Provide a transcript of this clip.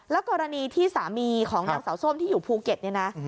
กรณีที่สามีของนางสาวส้มที่อยู่ภูเก็ตเนี่ยนะ